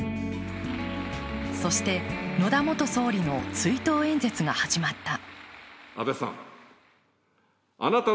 そして、野田元総理の追悼演説が始まった。